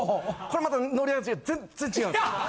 これまた乗り味が全然違うんです。